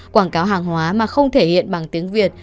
quảng cáo hàng hóa mà không thể hiện bằng tiếng việt